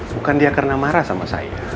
bukan dia karena marah sama saya